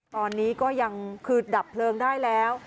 ตอนนี้ก็ยังคือดับเพลิงได้แล้ว